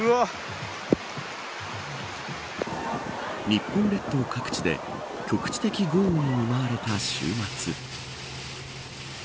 日本列島各地で局地的豪雨に見舞われた週末。